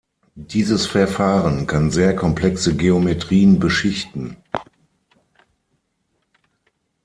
Dieses Verfahren kann sehr komplexe Geometrien beschichten.